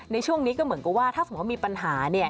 ในช่วงนี้ก็เหมือนก็ว่าถ้าสมมติว่ามีปัญหาเนี่ย